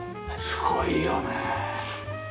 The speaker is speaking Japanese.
すごいよね。